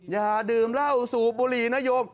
อย่าดื่มเหล้าสูบบุหรี่นโยม